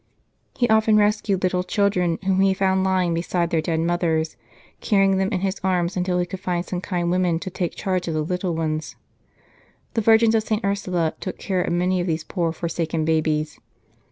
He often rescued little children whom he found lying beside their dead mothers, carrying them in his arms until he could find some kind women to take charge of the little ones. The Virgins of St. Ursula took care of many of these poor forsaken babies.